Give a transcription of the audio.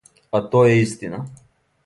А то је истина.